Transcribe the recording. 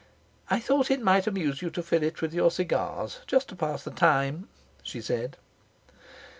'I thought it might amuse you to fill it with your cigars just to pass the time,' she said.